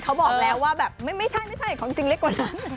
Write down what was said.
เขาบอกแล้วว่าแบบไม่ใช่ไม่ใช่ของจริงเล็กกว่านั้น